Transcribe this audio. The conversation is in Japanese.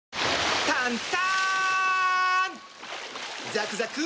ザクザク！